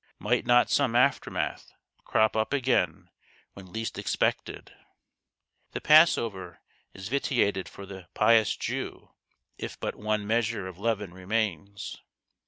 Might not some aftermath crop up again when least expected ? The passover is vitiated for the pious Jew if but one measure of leaven remains.